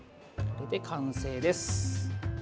これで完成です。